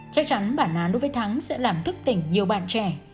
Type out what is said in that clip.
chắc chắn bản án đối với thắng sẽ làm thức tỉnh nhiều bạn trẻ